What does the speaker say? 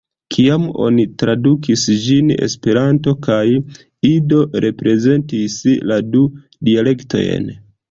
Kiam oni tradukis ĝin, Esperanto kaj Ido reprezentis la du dialektojn.